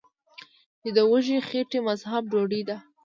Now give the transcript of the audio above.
چې د وږې خېټې مذهب ډوډۍ ده ـ